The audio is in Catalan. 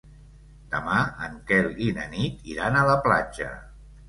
Demà en Quel i na Nit iran a la platja.